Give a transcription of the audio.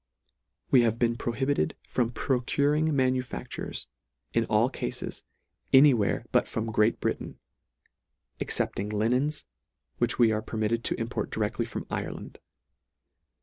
We have been prohibited from procuring manufactures, in all cafes, any where but from Great Britain, (excepting linens, which we are permitted to import directly from Ireland).